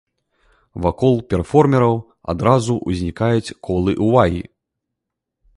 Вакол перформераў адразу ўзнікаюць колы ўвагі.